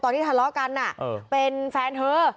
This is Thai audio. ที่ทะเลาะกันเป็นแฟนเธอ